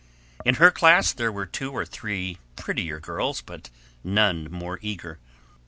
In her class there were two or three prettier girls, but none more eager.